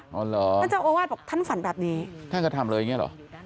อ๋อเหรอท่านเจ้าอาวาสบอกท่านฝันแบบนี้ท่านก็ทำเลยอย่างเงี้เหรอ